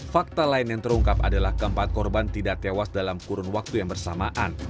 fakta lain yang terungkap adalah keempat korban tidak tewas dalam kurun waktu yang bersamaan